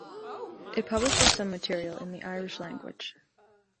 It publishes some material in the Irish language.